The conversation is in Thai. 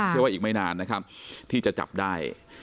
ว่าอีกไม่นานนะครับที่จะจับได้